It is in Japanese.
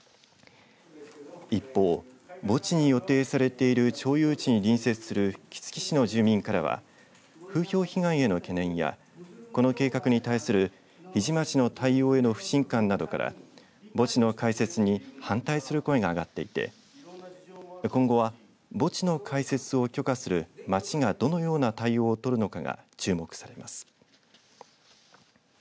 一方墓地に予定されている町有地に隣接する杵築市の住民からは風評被害への懸念やこの計画に対する日出町の対応への不信感などから墓地の開設に反対する声が上がっていて今後は墓地の開設を許可する町がどのような対応を取るのかが注目されます。